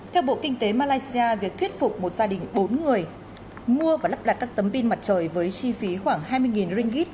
theo bộ kinh tế malaysia việc thuyết phục một gia đình bốn người mua và lắp đặt các tấm pin mặt trời với chi phí khoảng hai mươi ringgit